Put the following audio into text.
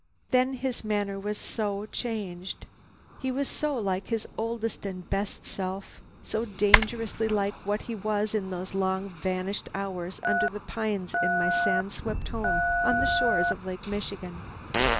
Then his manner was so changed. He was so like his oldest and best self, so dangerously like what he was in those long vanished hours under the pines in my sand swept home on the shores of Lake Michigan.